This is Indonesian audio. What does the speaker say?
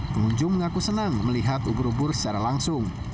pengunjung mengaku senang melihat ubur ubur secara langsung